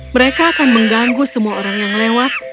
mereka akan mengganggu semua orang yang lewat